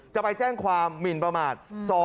จะไปแจ้งความหมินประมาท